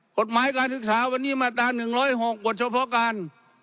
กฎหมายการศึกษาวันนี้มาตรา๑๐๖บทเฉพาะการ